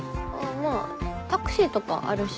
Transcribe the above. まぁタクシーとかあるし。